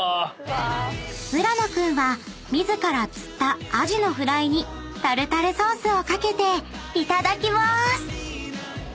［浦野君は自ら釣ったアジのフライにタルタルソースを掛けていただきまーす］